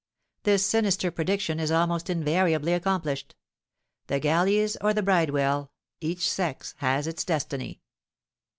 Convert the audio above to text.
This sinister prediction is almost invariably accomplished: the Galleys or the Bridewell, each sex has its destiny.